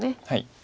はい。